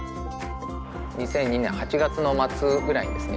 ２００２年８月の末ぐらいにですね